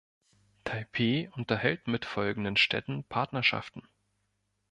Taipeh unterhält mit folgenden Städten Partnerschaften.